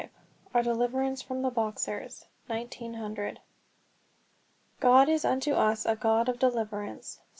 V OUR DELIVERANCE FROM THE BOXERS (1900) "God is unto us a God of deliverances" (Psa.